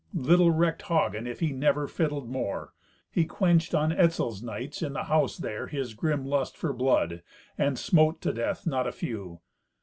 Little recked Hagen if he never fiddled more. He quenched on Etzel's knights, in the house there, his grim lust for blood, and smote to death not a few.